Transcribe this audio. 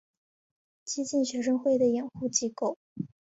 激进学生会的掩护机构。